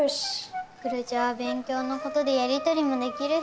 グルチャは勉強のことでやり取りもできるし。